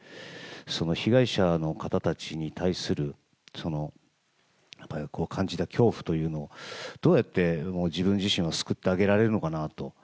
その被害者の方たちに対する、やっぱり感じた恐怖というのを、どうやって自分自身は救ってあげられるのかなと。